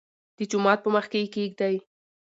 دجومات په مخکې يې کېږدۍ.